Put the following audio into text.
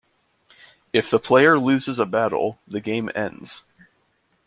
If the player loses a battle, the game ends.